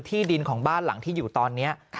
ที่ดินของบ้านหลังที่อยู่ตอนนี้